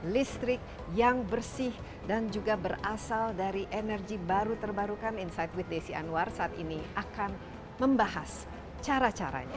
listrik yang bersih dan juga berasal dari energi baru terbarukan insight with desi anwar saat ini akan membahas cara caranya